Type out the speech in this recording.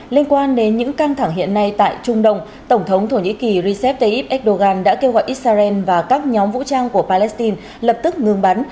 liên quan đến những căng thẳng hiện nay tại trung đông tổng thống thổ nhĩ kỳ recep tayyip erdogan đã kêu gọi israel và các nhóm vũ trang của palestine lập tức ngừng bắn